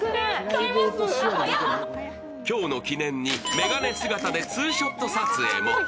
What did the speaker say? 今日の記念に眼鏡姿でツーショット撮影も。